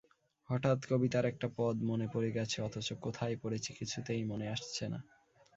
হঠাৎ কবিতার একটা পদ মনে পড়ে গেছে অথচ কোথায় পড়েছি কিছুতেই মনে আসছে না।